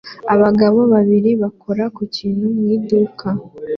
Abagabo babiri bakora ku kintu mu iduka